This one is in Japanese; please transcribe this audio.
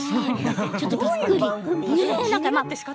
ちょっとびっくり。